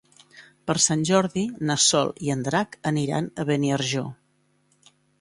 Per Sant Jordi na Sol i en Drac aniran a Beniarjó.